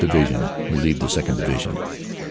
Division relieved the 2nd. Division, the G.